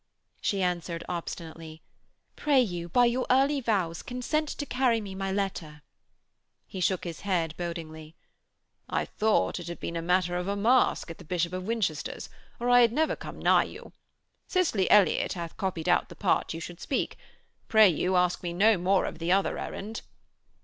She answered obstinately: 'Pray you by your early vows consent to carry me my letter.' He shook his head bodingly. 'I thought it had been a matter of a masque at the Bishop of Winchester's; or I had never come nigh you. Cicely Elliott hath copied out the part you should speak. Pray you ask me no more of the other errand.'